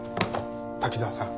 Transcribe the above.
滝沢さん。